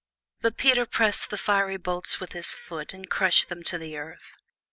But Peter pressed the fiery bolts with his foot and crushed them to the earth.